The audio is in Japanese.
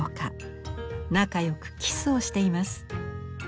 仲よくキスをしています。